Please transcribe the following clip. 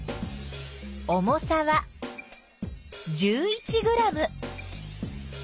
重さは１１グラム。